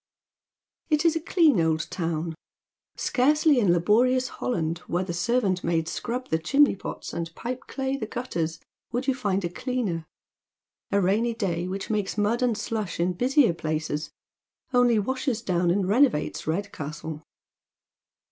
It is a clean old town. Scarcely in laborious Holland, where the servant maids scrab the chimney pots and pipe clay the gutters, would you find a cleaner. A rainy day, which makes mud and slush in busier places, only washes down and renovates Red castle.